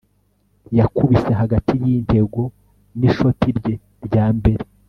yakubise hagati yintego nishoti rye rya mbere